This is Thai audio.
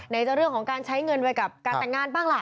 จะเรื่องของการใช้เงินไว้กับการแต่งงานบ้างล่ะ